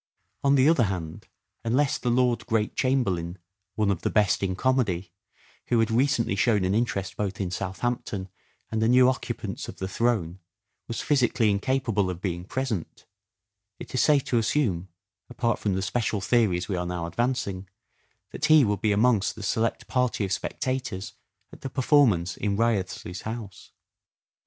On the other hand, unless the Lord Great Chamberlain —" one of the best in comedy "— who had recently shown an interest both in Southampton and the new occupants of the throne was physically incapable of being present, it is safe to assume, apart from the special theories we are now advancing, that he would be amongst the select party of spectators at the performance in Wriothesley 's house.